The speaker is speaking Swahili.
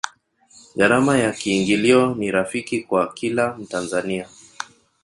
gharama ya kiingilio ni rafiki kwa kila mtanzania